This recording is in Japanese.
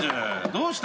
どうした？